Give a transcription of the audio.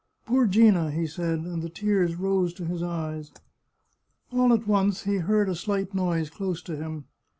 Poor Gina !" he said, and the tears rose to his eyes. All at once he heard a slight noise close to him.